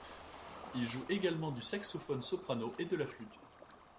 Il joue également du saxophone soprano et de la flute.